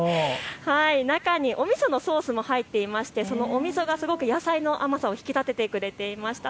中におみそのソースが入っていてそのおみそが野菜の甘さを引き立ててくれていました。